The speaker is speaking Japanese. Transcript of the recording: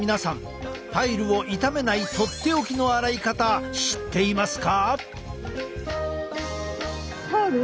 パイルを傷めないとっておきの洗い方知っていますか？